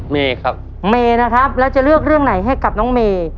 เมย์ครับเมนะครับแล้วจะเลือกเรื่องไหนให้กับน้องเมย์